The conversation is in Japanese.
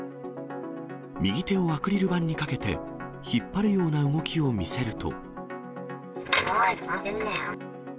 右手をアクリル板にかけて引っ張るような動きを見せると。